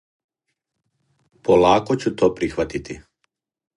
Полако ћу то прихватати.